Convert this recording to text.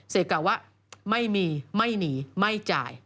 เศษกำว่าไม่มีไม่หนีไม่จ่าย